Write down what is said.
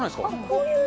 こういう。